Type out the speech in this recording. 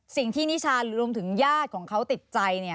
สิ่งที่นิชารวมถึงญาติของเขาติดใจ